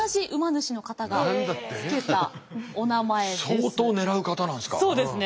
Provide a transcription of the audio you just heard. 相当ねらう方なんですか？